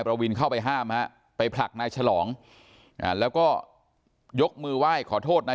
ประวินเข้าไปห้ามฮะไปผลักนายฉลองแล้วก็ยกมือไหว้ขอโทษนาย